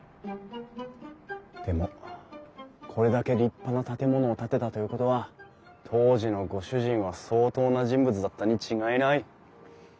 でもこれだけ立派な建物を建てたということは当時のご主人は相当な人物だったに違いない。